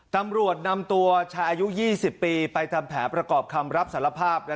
ตำรวจนำตัวชายอายุ๒๐ปีไปทำแผนประกอบคำรับสารภาพ